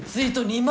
２万！